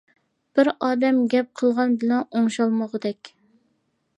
بىر ئادەم گەپ قىلغان بىلەن ئوڭشالمىغۇدەك.